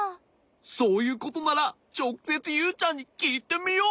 そういうことならちょくせつユウちゃんにきいてみよう。